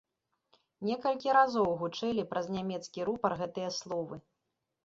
Некалькі разоў гучэлі праз нямецкі рупар гэтыя словы.